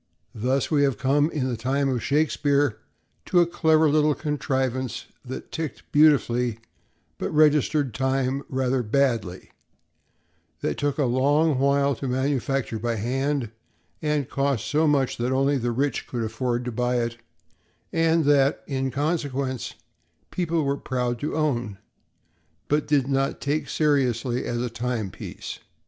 Thus we have come, in the time of Shakespeare, to a clever little contrivance that ticked beautifully but registered time rather badly; that took a long while to manufacture by hand, and cost so much that only the rich could afford to buy it, and that, in consequence, people were proud to own, but did not take seriously as a timepiece.